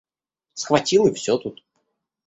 Схватил и всё тут.